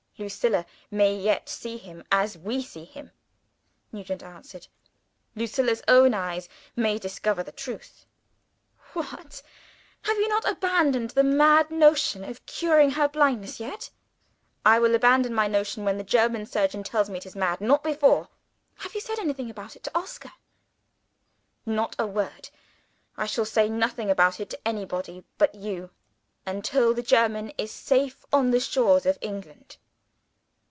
"Lucilla may yet see him, as we see him," Nugent answered. "Lucilla's own eyes may discover the truth." "What! have you not abandoned the mad notion of curing her blindness, yet?" "I will abandon my notion when the German surgeon tells me it is mad. Not before." "Have you said anything about it to Oscar?" "Not a word. I shall say nothing about it to anybody but you, until the German is safe on the shores of England."